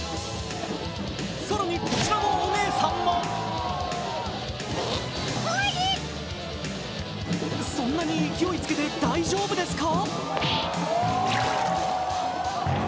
更にこちらのお姉さんはそんなに勢いつけて大丈夫ですか？